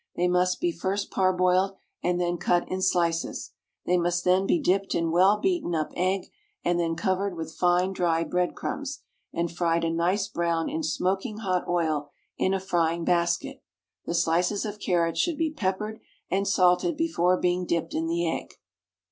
They must be first parboiled and then cut in slices; they must then be dipped in well beaten up egg, and then covered with fine dry bread crumbs and fried a nice brown in smoking hot oil in a frying basket. The slices of carrot should be peppered and salted before being dipped in the egg.